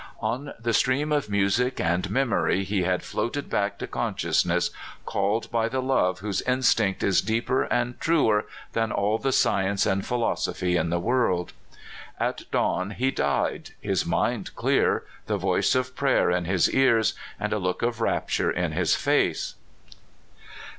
On the stream of music and memory he had floated back to consciousness, called by the love whose instinct is deeper and truer than all the science and philosophy in the world. At dawn he died, his mind clear, the voice of prayer in his ears, and a look of rapture in his face.